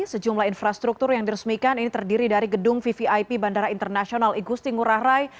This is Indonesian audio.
sejumlah infrastruktur yang diresmikan ini terdiri dari gedung vvip bandara internasional igusti ngurah rai